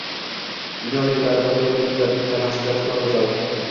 Million yillardan buyon gullaming tanasida tikon o'sadi.